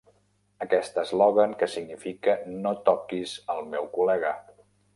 Aquest eslògan, que significa "No toquis al meu col·lega!".